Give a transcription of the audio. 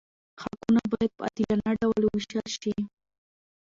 حقونه باید په عادلانه ډول وویشل شي.